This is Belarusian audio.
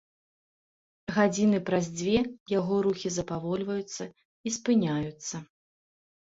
Гадзіны праз дзве яго рухі запавольваюцца і спыняюцца.